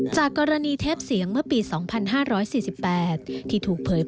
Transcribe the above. จากกรณีเทปเสียงเมื่อปี๒๕๔๘